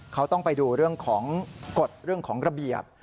เขาต้องไปดูเรื่องของกฎเรื่องของระเบียบ